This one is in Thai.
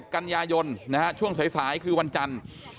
กันยายนช่วงสายคือวันจันทร์